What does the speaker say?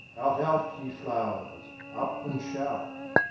Out, out, ye flowers! Up and shout!